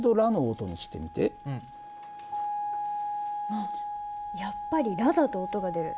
あっやっぱりラだと音が出る。